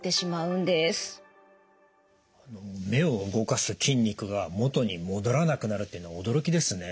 目を動かす筋肉が元に戻らなくなるっていうの驚きですね。